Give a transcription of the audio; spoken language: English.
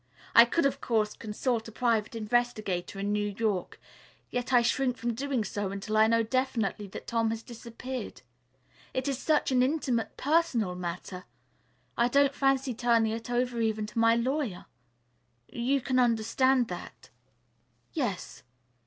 I could, of course, consult a private investigator in New York, yet I shrink from doing so until I know definitely that Tom has disappeared. It is such an intimate, personal matter. I don't fancy turning it over even to my lawyer. You can understand that." "Yes."